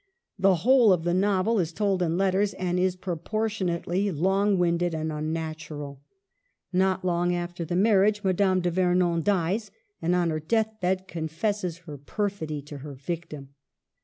The whole of the novel is told in letters, and is proportionately long winded and unnatural. Not long after the marriage Madaitte de Vernon dies, and on her death bed confesses her perfidy to her victim.